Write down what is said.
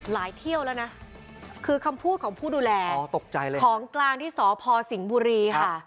เที่ยวแล้วนะคือคำพูดของผู้ดูแลอ๋อตกใจเลยของกลางที่สพสิงห์บุรีค่ะ